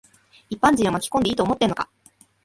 一般人を巻き込んでいいと思ってんのか。